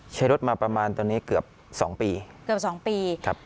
ใช้รถมาประมาณตอนนี้เกือบสองปีเกือบสองปีครับ